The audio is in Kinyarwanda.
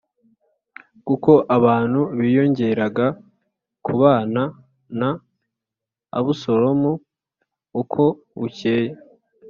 kuko abantu biyongeraga kubana na Abusalomu uko bukeye.